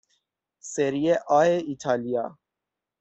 سری آ ایتالیا